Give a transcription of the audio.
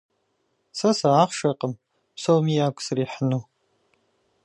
Сэ сыахъшэкъым псоми ягу срихьыну.